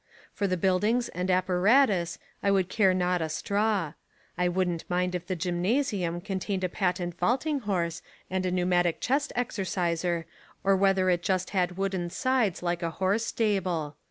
For the buildings and apparatus I would care not a straw. I wouldn't mind if the gymnasium contained a patent vaulting horse and a pneu matic chest exerciser or whether it just had wooden sides like a horse stable.